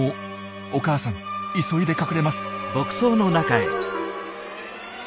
お母さん急いで隠れます。